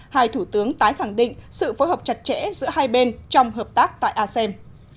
hai thủ tướng tái khẳng định sự phối hợp chặt chẽ giữa hai bên trong hợp tác tại asem